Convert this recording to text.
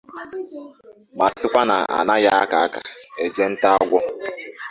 ma sịkwa na a naghị aka àkà eje nta agwọ